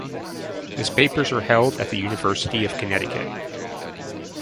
His papers are held at the University of Connecticut.